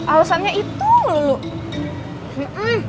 alasannya itu lulu